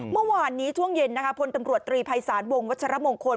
เมื่อวานนี้ช่วงเย็นนะคะพลตำรวจตรีภัยศาลวงวัชรมงคล